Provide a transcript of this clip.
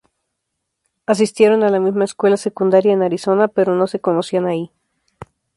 Asistieron a la misma escuela secundaria en Arizona, pero no se conocían allí.